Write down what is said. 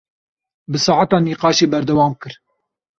Bi saetan nîqaşê berdewam kir.